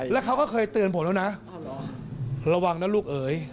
แล้วเขาก็เคยเตือนผมแล้วนะระวังนะลูกเอ๋ย